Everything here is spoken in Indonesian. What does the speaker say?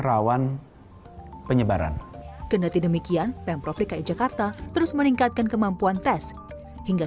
rawan penyebaran kendati demikian pemprov dki jakarta terus meningkatkan kemampuan tes hingga